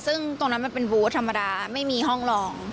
ซึ่งตรงนั้นมันเป็นบูธธรรมดาไม่มีห้องลอง